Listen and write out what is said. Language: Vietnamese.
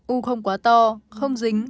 u không quá to không dính